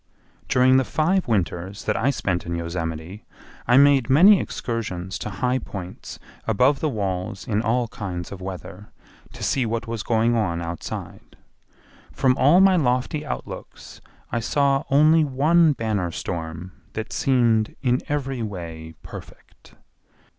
During the five winters that I spent in Yosemite I made many excursions to high points above the walls in all kinds of weather to see what was going on outside; from all my lofty outlooks I saw only one banner storm that seemed in every way perfect.